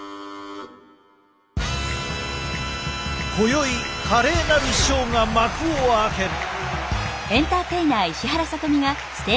今宵華麗なるショーが幕を開ける！